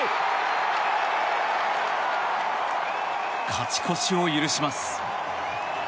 勝ち越しを許します。